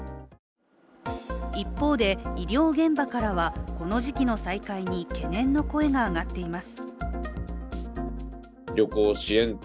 一方で医療現場からはこの時期の再開に懸念の声が上がっています。